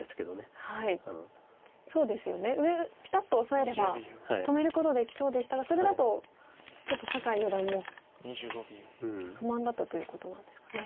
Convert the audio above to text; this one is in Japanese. そうですよね上ピタッとオサえれば止めることできそうでしたがそれだとちょっと酒井四段も不満だったということなんですかね。